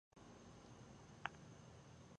هماغومره باطن ته زیان رسوي.